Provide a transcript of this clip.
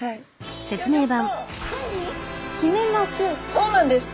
そうなんです！